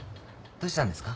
どうしたんですか？